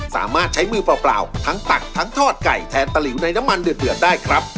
สามารถใช้มือเปล่าทั้งตักทั้งทอดไก่แทนตะหลิวในน้ำมันเดือดได้ครับ